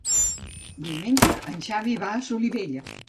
Diumenge en Xavi va a Solivella.